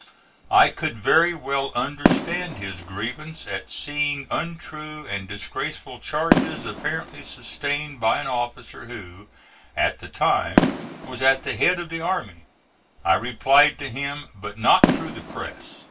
I could very well understand his grievance at seeing untrue and disgraceful charges apparently sustained by an officer who, at the time, was at the head of the army. I replied to him, but not through the press.